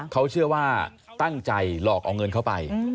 เขาเชื่อว่าตั้งใจหลอกเอาเงินเข้าไป